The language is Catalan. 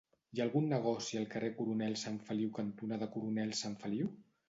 Hi ha algun negoci al carrer Coronel Sanfeliu cantonada Coronel Sanfeliu?